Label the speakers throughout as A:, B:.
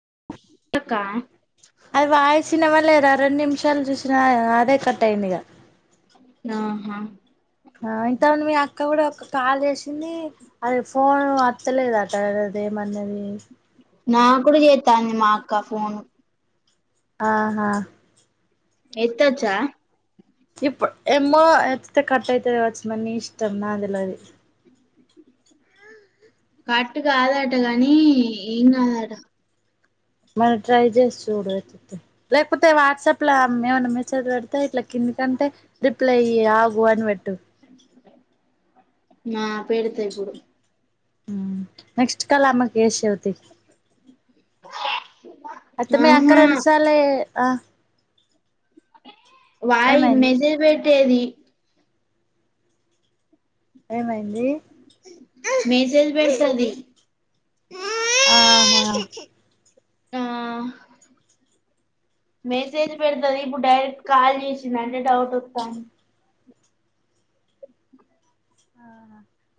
A: [unintelligible]
B: లేరా రెండు నిమిషాలు చూసినా అదే కట్ అయింది ఇగ
A: ఆహా
B: ఇంతక ముందు మీ అక్క కూడా ఒక కాల్ చేసింది అది ఫోన్ వత్తలేదు అట దే మన్నది
A: నా కూడా చేత్తాంది మా అక్క ఫోన్
B: ఆహా
A: ఎత్తోచ్చా
B: ఇప్పు ఏమో ఎత్తితే కట్ అయితాది కావచ్చు మరి ని ఇష్టం నాక్ తెలువది
A: కట్ కాదాట గనీ ఏం కాదాడా
B: మరి ట్రై చేసిచూడు ఎత్తితే లేకపోతే వాట్సాప్ ల ఏమైనా మెసేజ్ పెడితే ఇట్లా కిం దికంటే రిప్లై ఇయ్యి ఆగు అని పెట్టు
A: ఆ పెడతా ఇప్పుడు
B: హ్మ్ నెక్స్ట్ కాల్ ఆమెకిచేసేవ్‌ది అత్తమ్మ యక్క
A: ఆహా
B: రెండుసార్లే ఆ
A: వాయి
B: ఏమైంది
A: మెసేజ్ పెట్టేది
B: ఏమైంది
A: మేసేజ్ పెడుతాది
B: ఆహా
A: ఆ మెసేజ్ పెడుతాది ఇప్పుడు డైరెక్ట్ కాల్ చేసిందంటే డౌట్ వత్తాం
B: ఆ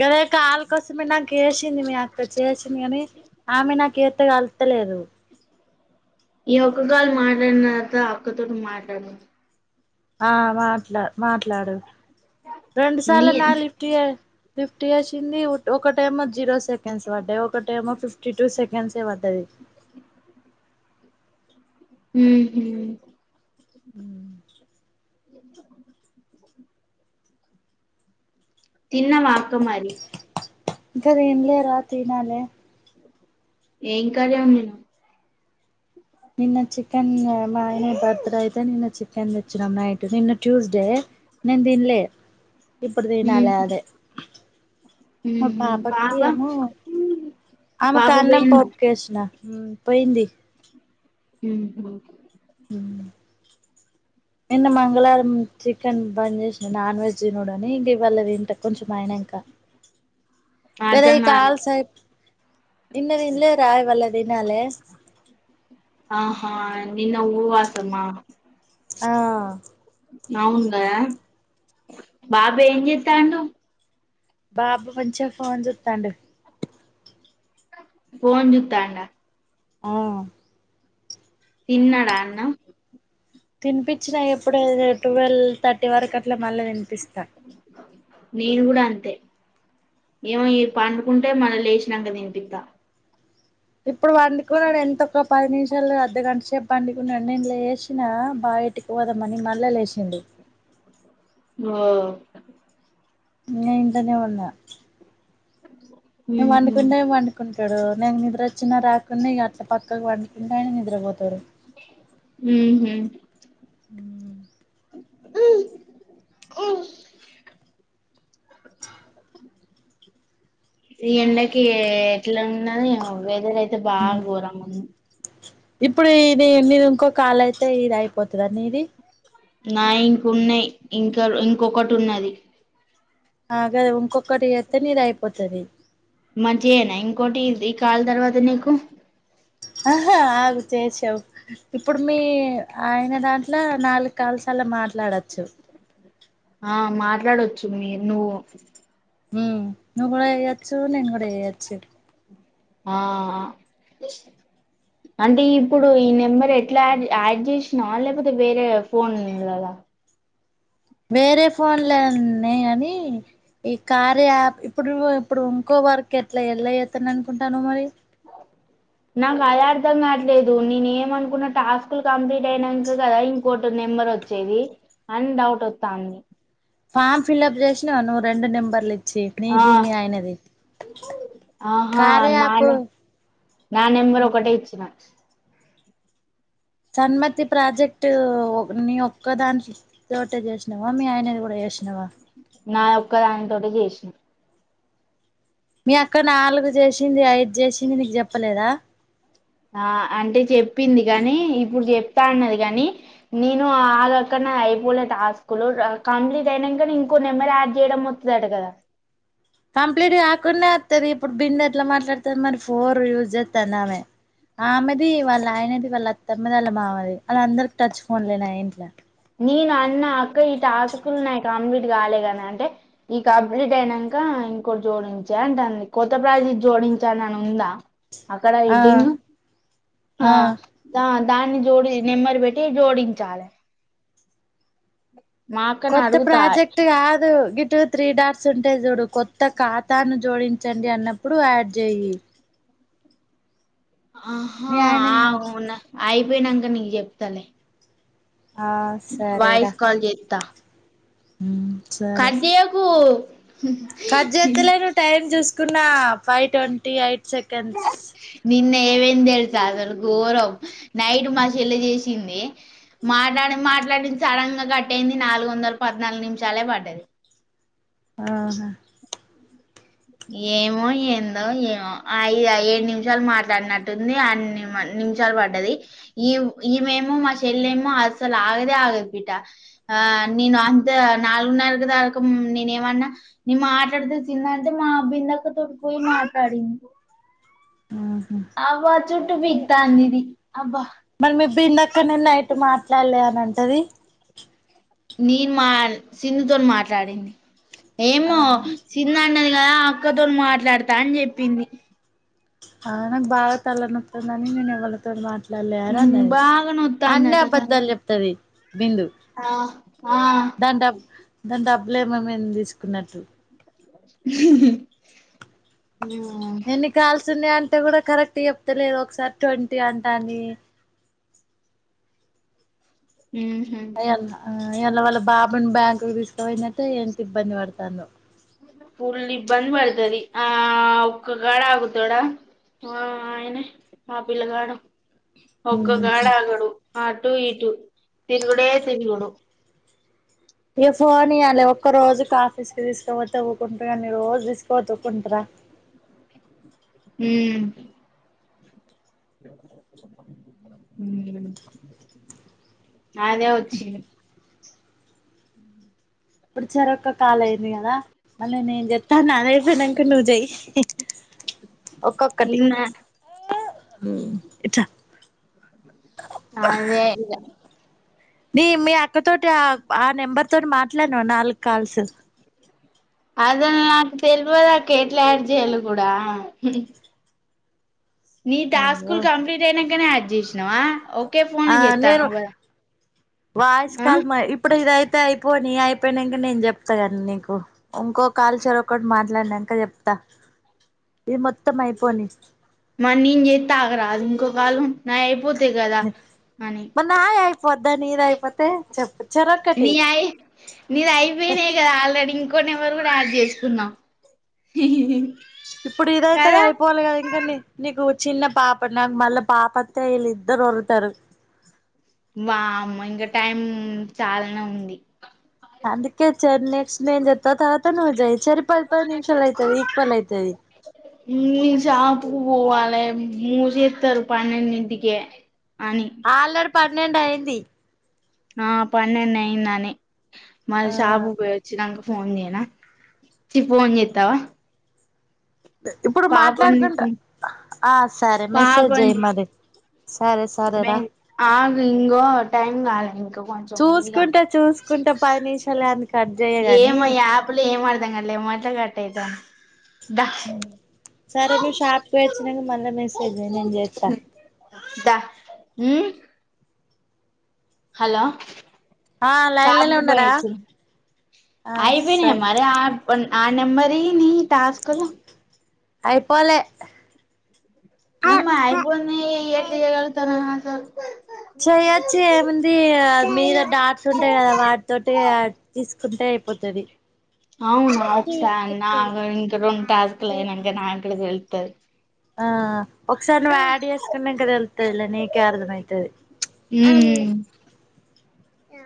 B: గదే కల్ కోసమే నాక్ చెసింది మీ అక్క చేసింది కానీ ఆమె నాకు ఎత్తగలుగుతలేదు
A: ఈ ఒక్క కాల్ మాట్లాడినక అక్కతోటి మాట్లాడదాం
B: ఆ మాట్లా మాట్లాడు రెండు
A: నీ
B: సార్లునా లిఫ్ట్ చే లిఫ్ట్ చేసింది ఒకటేమో జీరో సెకండ్స్ పడ్డాయి ఒకటేమో ఫిఫ్టీ టూ సెకండ్స్ఎ పడ్డది
A: హ్మ్ హ్మ్
B: హ్మ్
A: తిన్నావా అక్క మరి
B: ఇంకా తిన్లేరా తినాలే
A: ఎమ్ కరం నీది
B: నిన్న చికెన్ మా ఇని బర్త్ డే అయితే నిన్న చికె వెెచ్చినం నైట్ నిన్న ట్యూస్ డే నేను తినలే ఇప్పుడు తినాలి అదే మా
A: ఉమ్ పాప
B: ఆమె
A: పాప
B: కన్నం
A: పోయిందా
B: పోపుకేసిన పోయింది
A: ఉహు
B: నిన్న మంగళవారం చికెన్ బంద్ చేసిన నాన్ వెజ్ తినుడని ఇంక ఇవాళ అంట కొంచం అయినంకా లేదా
A: అర్థం
B: ఇ
A: కాలే
B: కాల్స్ అయ్ నిన్నతినలేరా ఈ వల్లె దినాలే
A: ఆహా నిన్న ఊవాసమ్మా
B: ఆ
A: అవును కదా బాబు ఏం చేస్తాండు
B: బాబు పంచ ఫోన్ జుత్తండు
A: ఫోన్ జుత్తండ
B: ఆ
A: తిన్నాడా అన్నం
B: తినిపించిన ఎప్పుడే ట్వెల్వ్ థర్టీ వరకు అట్లా మళ్ళీ తినిపిస్తా
A: నేను కూడా అంతే ఏమో ఈ పండుకుంటే మళ్ళ లేచినాంక దీనిపిత్త
B: ఇప్పుడు పండుకున్నాడు ఎంతొ ఒక పది నిమిషాలు అర్ధ గంట సేపు పండుకున్నాడు నేన్ లేశినా బాయటికి పోదమని మళ్ళ చేసిండూ
A: బా
B: నేన్ ఇంట్లోనే ఉన్న నేను
A: ఉహు
B: పండుకుంటేనే పండుకుంటాడు నేను నిద్ర వచ్చిన రాక్ కున్న ఇగ అట్లా పక్కకు పండుకుంటానే నిద్ర పోతడు
A: ఉహు అ ఓ ఈ ఎండకు ఎట్లా ఉన్నది ఏమో వెదర్ అయి అయితే బాగా గోరంగుంద్
B: ఇప్పుడు ఇది నీది ఇంకోకాల అయితే ఇది అయిపోతుంది నీది
A: నా ఇంక ఉన్నాయి ఇంకా ఇంకొకటి ఉన్నది
B: అగా ఇంకొకటి జేస్తే నీది అయిపోతది
A: మంచి అనాయా ఈ కాల్ తర్వాత నీకు
B: ఆహా ఆగు చేసావు ఇప్పుడు మీ ఆయన దాంట్లో నాలుగు కాల్స్ అ అల్లా మాట్లాడచ్చు
A: ఆ మాట్లాడొచ్చు మీర్ నువ్వు
B: ఉమ్ నువ్వు కూడా ఏయచ్చు నేను కూడా ఏయచ్చు
A: ఆ అంటే ఇప్పుడు ఈ నెంబర్ ఎట్లా యాడ్ యాడ్ జేసినావా లేకపోతే వేరే ఫోన్ ఉండ్ల్లాదా
B: వేరే ఫోన్లో ఉన్నయి కానీ ఈ కార్య యాప్ ఇప్పుడు ఇప్పుడు ఇంకో వర్క్ ఎట్లా ఎళ్ళ జెత్తనను అనుకుంటానావు మరి
A: అ నాకు అదే అర్ధం కావట్లేదు నేను ఏమనుకున్న టాస్కులు కంప్లీట్ అయినాంకా కదా ఇంకోటి ఉంది నెంబర్ వచ్చేది అని డౌట్ వొత్తంది
B: ఫామ్ ఫిల్లప్ చేసినవన్ను రెండు నెంబర్లు ఇ
A: ఆ
B: చెప్నిది మీ ఆయనాది
A: ఆహా
B: కార్య
A: నా
B: యాపు
A: నె- నా నెంబర్ ఒకటే ఇచ్చిన
B: సన్మతి ప్రాజెక్ట్ నీ ఒక్కదాని తోటె చేసినావా మీ ఆయనది కూడా చేసినవా
A: నాయొక్క దాని తోటి జేసిన
B: మీ అక్క నాలుగు చేసింది ఐదు చేసింది నీకు చెప్పలేదా
A: ఆ అంటే చెప్పింది కానీ ఇప్పుడు చెప్తా అన్నది కానీ నేను అ అక్కడ అయిపోలే ఆ స్కూల్ కంప్లీట్ అయినా కానీ ఇంకో నెంమర్ యాడ్ చేయడం వొత్తదంటా కదా
B: కంప్లీట్ కాక్కున్న వొత్తది ఇప్పుడు బింద్ ఎట్లా మాట్లాడుతుంది మరి ఫోర్ యూజ్ చేస్తాంది ఆమె ఆమెది వాళ్ళ ఆయనది వాళ్ళ అత్తమ్మది వాళ్ళ మామది వాళ్ అందరి టచ్ ఫోన్ లేనా ఇంట్లో
A: నేను అన్న అక్క ఈ టాస్కులు నాకు కంప్లీట్ కాలే కద అంటే ఈ కంప్లీట్ అయిన ఇంకా ఇంకోటి జోడించా అంట అ కొత్త ప్రాజీ జోడించానని ఉందా అక్కడ
B: ఆ
A: హడ్డింగ్
B: ఆ
A: దాన్ని జోడి నిెమ్మది పెట్టి జోడించాలి [inaudible]
B: కొత్త
A: అడుగుతా
B: ప్రాజెక్ట్ కాదు నటివ్ త్రీ డాట్స్ ఉంటాయి చూడు కొత్త ఖాతాను జోడించండి అన్నప్పుడు యాడ్ చేయి
A: ఆహా
B: మీ ఆయన
A: అవునా అయిపోయినాక నీకు చెప్తలే
B: ఆ
A: వయిస్ కాల్ చేత
B: హ
A: కదియాకు
B: కతలో నువ్ టైం చూసుకున్నా ఫైవ్ ట్వంటీ ఎయిట్ సెకండ్స్
A: ఏమేంది తెలుసా అసలు ఘోరం నైట్ మాసల్ల చేసింది మాట్డి మాట్లాడింది సడన్ గా కట్టయింది నాలుగు వందల పద్నాలుగు నిమిషాలే పడ్డాది
B: ఆఓ
A: ఏమో ఏందో ఏమో ఐదు ఏడు నిమిషాలు మాట్లాడినట్టుంది అన్ని నిమిషాలు పడ్డది ఈ ఇవేమో మా చెల్ ఏమో అసలు ఆగదే ఆగదు బిట నేను అంత నాలుగున్నరగు దాకా నేనే ఏమన్నా నిే మాట్లాడితే తి అంటే మా బిందకు తుడుపోయి మాట్లాడింది
B: ఆహా
A: ఆబ చుట్ పీకత అందిది అబ్బ
B: అట్టు మాట్లాడలే అనంటది
A: నీను మా సిన్నుతో మాట్లాడింది ఏమో
B: ఆహా
A: సిన్న అన్నది కదా అక్కతో మాట్లాడతా అని చెప్పింది
B: ఆ న్ బాత్ అలనుతు నని నేను ఎవల్ తో మాత ఇట్లా లేని
A: ఉమ్
B: అన్నది
A: బాగా
B: అన్నీ
A: నొత్తాందట తల
B: అబద్ధాలు చెప్తది బిందు
A: ఆ ఆ
B: దంటబ్ దంటబ్ బ్లేమమమి తీసుకున్నట్టు
A: [inaudible]
B: ఎన్ని కాల్సి ఉన్నా అంటే కూడా కరెక్ట్ చెప్తలేదు ఒకసారి ట్వంటీ అంటాని
A: హ హ
B: అలా వాళ్ళ బాబుని బ్యాం తీసుకుపోయినట్టే ఎంత ఇబ్బంది పడతాను
A: ఫుల్ ఇబంద బడతరి ఆ ఒకక్కగాడ ఆగుతోడా ఆ ఆయనే ఆ పిల్లగాడు ఒక్కగాడ
B: ఇక
A: ఆగాడు ఆటు ఈటు తిన్గుడే తిన్గుడు
B: ఇ ఫోన్ ఇయ్యాలి ఒక్క రోజుకి ఆఫీస్ కి తీసుకోపోతే తవఊ్కుంటారు కాని రోజు తీసుకో తవ్వుకుంటారా
A: హ హ అదే వచ్చింది
B: ఇప్పుడు సరక్క కాల అయింది కదా మళ్ళీ నేను చెప్తాను అదపోనాక నువ్వు చెయి
A: [inaudible]
B: ఒక్కొక్కటి
A: నిన్న
B: ఇట్
A: అదే ఇద
B: నీ మీ అక్కతోటి ఆ ఆ నెంబర్ తోటి మాట్లాడనా నాలుగు కాల్స్
A: అద నాకు తెలియదా కేట్లాడ్ చేయాల కూడా నీ
B: అయ్యో
A: టాస్కుల్ కంప్లీట్ అయినాకనే అడ్జ చేసినావాఓ
B: ఆ నేను వాయిస్
A: ఆ
B: కాల్ మ ఇప్పుడు ఇయి అ అయిపో న అయిపోయినాక నేను చెప్తాగానీ నీ ఇంకోక కాలుచర ఒకటి మా ఇట్లాంక చెప్తా ఇది మొత్తం అయిపోని
A: మరి నేను చేస్త తాకరాదు ఇంకోకళం నా అయిపోతాయి కదా అని
B: పొద్దా నీది అయిపోతే చెప్
A: నీ అయి నీది అయిపోయినయ్ గదా ఆల్రెడీ ఇం కొ నెంబర్ కూడా ఆడ్ చేసుకున్నా
B: ఇప్పుడు ఇదైతే అయిపోవాలి కదా ఇంకాంని నీకు చిన్న పాప నాకు మళ్ళ పాప వత్తే ఈలిద్దరువర్లుతరు.
A: వామో ఇంగా టైం చాలానే ఉంది.
B: అందుకే చ నెక్స్ట్ నైన్ జెప్తా తరువాత నువ్వు జేయ్ చెరి పదిపది నిమిషాలు అయితది ఈక్వల్ అయితది.
A: పూల్ పోవాలే మూసేస్తారు పన్నెడింటికే
B: ఆల్ రెడీ పన్నెండు అయింది.
A: ఆ పన్నెండు అయిందని
B: ఆ
A: మళ్ళీ షాపు పోయి వచ్చి నంక ఫోన్ జేయనా చి ఫోన్ జేత్తవా
B: ఇప్పుడు
A: పాప
B: మాట్లాడుకుంటా
A: ఉందితం
B: ఆ సరే మెసేజ్ జేయ్ మరి సరే
A: మే
B: సరేరా
A: ఆగు ఇంగో టైం గాలే ఇంకా కొంచం ఉంది గా
B: ఉంట పది నిమిషాలు అందుకే
A: ఏమో యాపుల ఏం అర్ధం గాట్లే ఎమ్మటే కట్ట్ అయితుంది దా
B: సరే నువ్వు షాప్కి పోయి వచ్చినంక మళ్ళా మెసేజ్ జేయ్ నేను జేత్తా
A: దా ఉమ్ హలో
B: ఆ లైన్లనే
A: షాపుకు బోయి
B: ఉన్నారా
A: వచ్చిన
B: ఆ
A: ఆయిపోయినయా
B: సరే
A: మరి ఆ ఆ నెంబర్ యి నీ టాస్కులు
B: అయిపోలే
A: ఏమ్మా అయిపోయినయ్ ఎట్ల ఇయ్యగలుగుతరు అసలు
B: చెయ్యొచ్చు ఏముంది మీద డాట్స్ ఉంటాయి కదా వాటితోటి తీసు కుంటే అయిపోతది
A: అవును నాకు గూడ ఇంగ రెండు టాస్క్ లు అయినంక నాకు గూడ తెలుస్తది.
B: ఆ ఒకసారి నువ్వు యాడ్ జేసుకునంక తెలుత్తదిలే నీకే అర్థమయితది.
A: ఉమ్
B: ఆ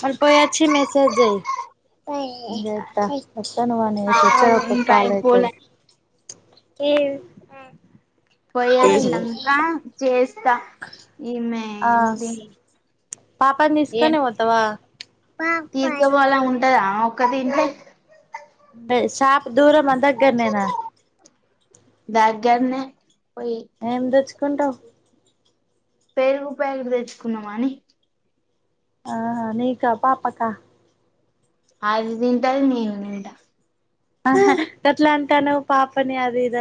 B: మళ్ళ పోయి వచ్చి మెసేజ్ జేయ్ నేన్ జేత్తా అయితే నువ్వ్ ఆన్ని యేసి వచ్చె
A: ఆగు
B: అప్పుడు
A: ఇంకా
B: కాల్ అయితది
A: అయిపోలే
B: ఏవ్
A: పోయ్ వచ్చినంకా చేస్తా ఈమె
B: ఆ
A: ఏంది
B: పాపని దీస్కోనే పోతవా
A: తీసుకపోవాలా ఆమె ఉంటదా ఆమె ఒక్కతి ఇంట్లే
B: షాప్ దూరమా దగ్గరనేనా
A: దగ్గర్నే
B: ఏం దెచ్చుకుంటావు
A: పెరుగు ప్యాకెట్ దెచ్చుకున్నామని
B: ఆహా నీకా పాపకా
A: అది దింటది నేన్ దింట
B: ఆహా గట్ల అంటునవ్ పాపని అది ఇది